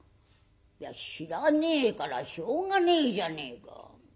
「いや知らねえからしょうがねえじゃねえか。